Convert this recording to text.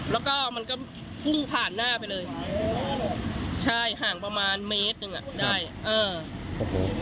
แล้วก็มันก็พุ่งผ่านหน้าไปเลยใช่ห่างประมาณเมตรหนึ่งอ่ะได้เออโอ้โห